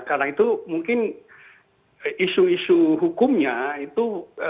karena itu mungkin isu isu hukumnya itu